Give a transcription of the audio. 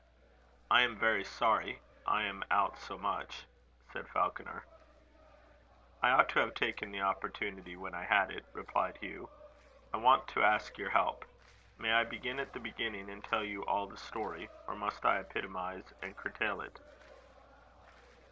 "I am very sorry. I am out so much," said Falconer. "I ought to have taken the opportunity when I had it," replied Hugh. "I want to ask your help. May I begin at the beginning, and tell you all the story? or must I epitomize and curtail it?"